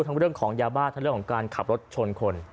เรื่องของยาบ้าทั้งเรื่องของการขับรถชนคน